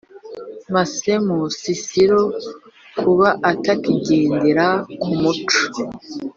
Massemu nsisiro kuba atakigendera ku muco